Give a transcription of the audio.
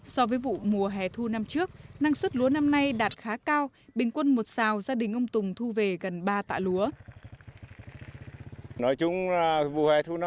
so với vụ mùa hè thu năm trước năng suất lúa năm nay đạt khá cao bình quân một xào gia đình ông tùng thu về gần ba tạ lúa